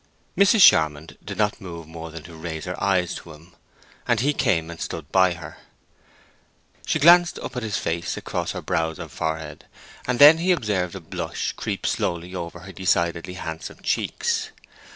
Mrs. Charmond did not move more than to raise her eyes to him, and he came and stood by her. She glanced up at his face across her brows and forehead, and then he observed a blush creep slowly over her decidedly handsome cheeks.